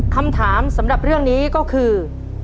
คำถามสำหรับเรื่องนี้ก็คือ